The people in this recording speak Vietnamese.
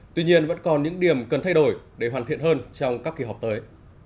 tuy nhiên vẫn còn những điểm cần thay đổi để hoàn thiện hơn trong các kỳ họp tới